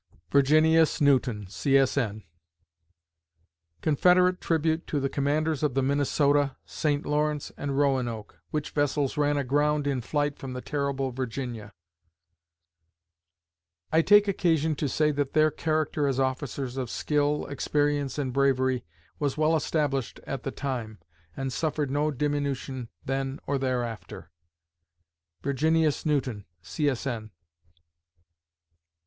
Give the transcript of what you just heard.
VIRGINIUS NEWTON, C. S. N. Confederate Tribute to the Commanders of the Minnesota, St. Lawrence, and Roanoke, which vessels ran aground in flight from the terrible Virginia: I take occasion to say that their character as officers of skill, experience, and bravery was well established at the time, and suffered no diminution then or thereafter. VIRGINIUS NEWTON, C. S. N.